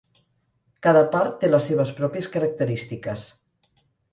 Cada part té les seves pròpies característiques.